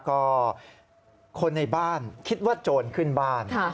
ก็คนในบ้านคิดว่าโจรขึ้นบ้าน